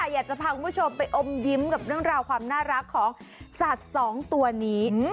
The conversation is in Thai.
อยากจะพาคุณผู้ชมไปอมยิ้มกับเรื่องราวความน่ารักของสัตว์สองตัวนี้